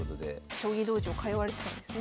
将棋道場通われてたんですね。